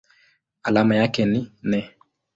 Alama yake ni Ne.